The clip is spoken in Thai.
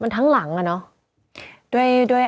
มันทั้งหลังอะเนาะ